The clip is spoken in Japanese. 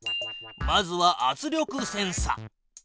まずは圧力センサ。